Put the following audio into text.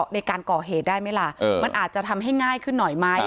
ในการก่อเหตุได้ไหมล่ะมันอาจจะทำให้ง่ายขึ้นหน่อยไหม